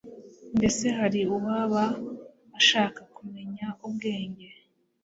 Mbese hari uwaba ashaka kumenya ubwenge?